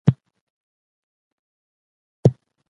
پرون مي دومره اوښكي توى كړې ګراني!